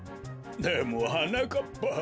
でもはなかっぱ。